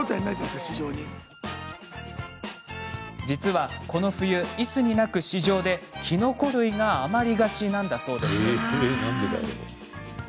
実は、この冬いつになく市場できのこ類が余りがちなんだとか。